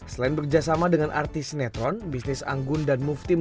selain bekerjasama dengan artis sinetron bisnis anggun dan move team